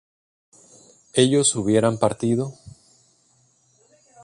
¿ellas hubieran partido?